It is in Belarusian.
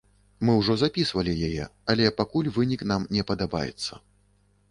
Мы ўжо запісвалі яе, але пакуль вынік нам не падабаецца.